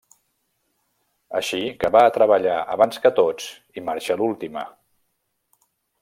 Així que va a treballar abans que tots i marxa l'última.